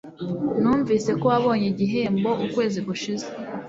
Numvise ko wabonye igihembo ukwezi gushize